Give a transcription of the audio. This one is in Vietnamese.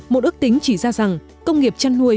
một ước tính chỉ ra rằng công nghiệp chăn nuôi